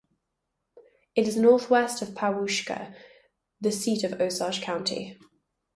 It is northwest of Pawhuska, the seat of Osage County.